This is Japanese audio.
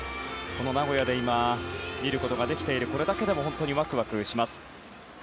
名古屋で今、見ることができているこれだけでも本当にワクワクします。